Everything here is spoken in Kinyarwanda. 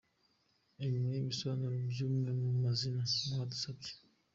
Ibi ni ibisobanuro by’amwe mu mazina mwadusabye.